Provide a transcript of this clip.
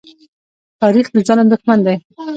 تاریخ د ظلم دښمن دی.